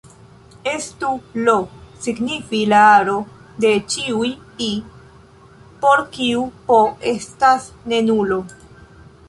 Estu "I" signifi la aro de ĉiuj "i" por kiu "p" estas ne nulo.